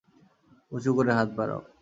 উচু করে হাত বাড়াও।